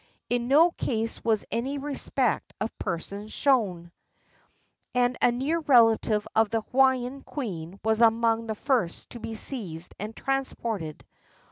In no case was any respect of persons shown, and a near relative of the Hawaiian Queen was among the first to be seized and transported.